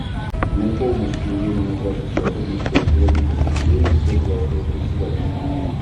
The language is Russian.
Мы полностью уверены в Вашей способности руководить Ассамблеей в ходе Вашего председательства.